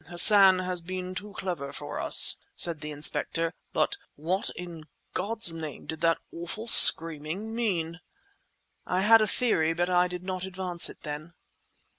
"Hassan has been too clever for us!" said the inspector. "But—what in God's name did that awful screaming mean?" I had a theory, but I did not advance it then.